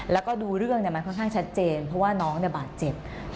แล้วก็ดูเรื่องมันค่อนข้างชัดเจนเพราะว่าน้องบาดเจ็บ